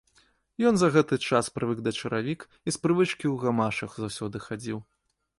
Ён за гэты час прывык да чаравік і з прывычкі ў гамашах заўсёды хадзіў.